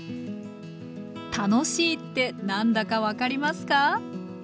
楽しいって何だか分かりますか？